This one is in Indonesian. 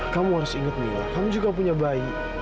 kamu harus ingat mila kamu juga punya bayi